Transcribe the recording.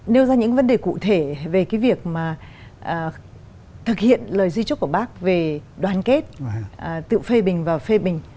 nêu ra những vấn đề cụ thể về cái việc mà thực hiện lời di trúc của bác về đoàn kết tự phê bình và phê bình